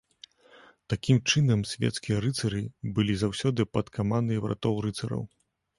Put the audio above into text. Такім чынам, свецкія рыцары былі заўсёды пад камандай братоў-рыцараў.